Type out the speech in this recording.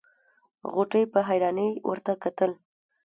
غوټۍ په حيرانۍ ورته کتل.